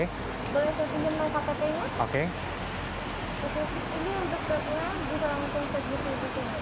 ini untuk pertanyaan bisa langsung ke gp